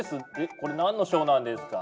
これなんの賞なんですか？